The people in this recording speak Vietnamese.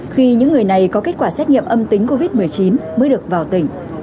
khi những người này có kết quả xét nghiệm âm tính covid một mươi chín mới được vào tỉnh